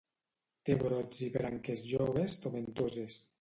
Té brots i branques joves tomentoses.